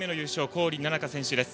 郡菜々佳選手です。